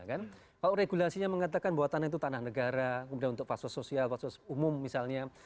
kalau regulasinya mengatakan bahwa tanah itu tanah negara kemudian untuk fasos sosial fasos umum misalnya